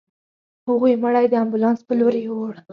هغوی مړی د امبولانس په لورې يووړ.